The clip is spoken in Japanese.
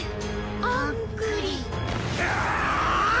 あんぐり。